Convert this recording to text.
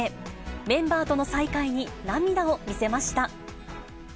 メンバーとの再会に涙を見せました。